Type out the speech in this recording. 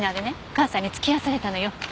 母さんに付き合わされたのよ。